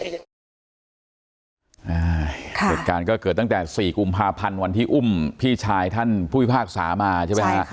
เหตุการณ์ก็เกิดตั้งแต่๔กุมภาพันธ์วันที่อุ้มพี่ชายท่านผู้พิพากษามาใช่ไหมฮะ